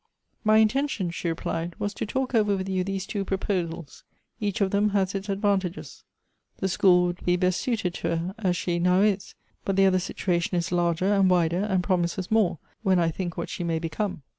" My intention," she replied, " was to talk over with you these two proposals — each of them has its advan tages. The school would be best suited to her, as she now is ; but the other situation is larger, and wider, and promises more, when I think what she may become."